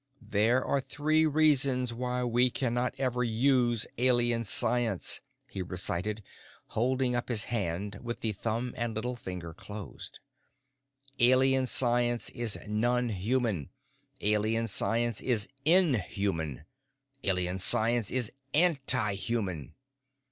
"There are three reasons why we cannot ever use Alien Science," he recited, holding up his hand with the thumb and little finger closed. "_Alien Science is non human, Alien Science is inhuman, Alien Science is anti human.